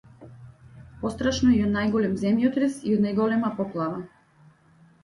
Пострашно и од најголем земјотрес и од најголема поплава!